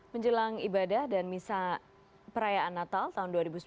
menjelang ibadah dan misa perayaan natal tahun dua ribu sembilan belas